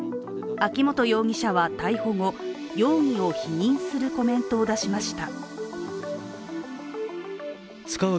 秋本容疑者は逮捕後、容疑を否認するコメントを出しました。